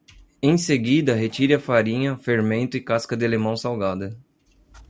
Em seguida, retire a farinha, fermento e casca de limão salgado.